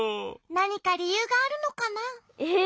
なにかりゆうがあるのかな？え？